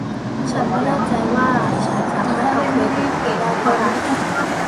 ฉันไม่แน่ใจว่าฉันสามารถเอาเครดิตไปได้เท่าไหร่